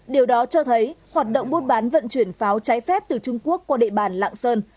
điều đó cho thấy hoạt động buôn bán vận chuyển pháo trái phép từ trung quốc qua địa bàn lạng sơn